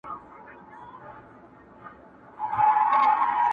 ځو به چي د شمعي پر لار تلل زده کړو؛